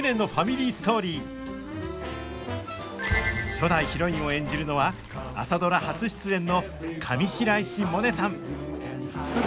初代ヒロインを演じるのは「朝ドラ」初出演の上白石萌音さん！